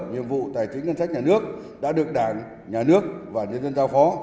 nhiệm vụ tài chính ngân sách nhà nước đã được đảng nhà nước và nhân dân giao phó